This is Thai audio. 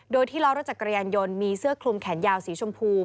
โดยที่ล้อรถจักรยานยนต์มีเสื้อคลุมแขนยาวสีชมพู